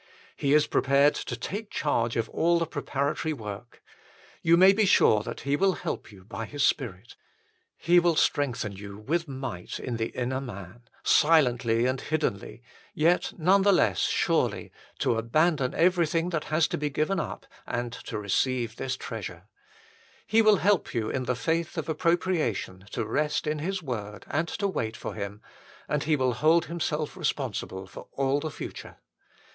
He is prepared to take charge of all the preparatory work. You may be sure that He will help you by His Spirit. He will strengthen you with might in the inner man, silently and hiddenly, yet 150 THE FULL BLESSING OF PENTECOST none the less surely, to abandon everything that has to be given up and to receive this treasure. He will help you in the faith of appropriation to rest in His word and to wait for Him ; and He will hold Himself responsible for all the future.